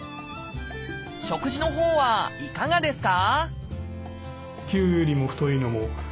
食事のほうはいかがですか？